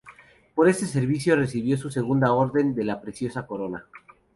Por este servicio recibió su segunda Orden de la Preciosa Corona.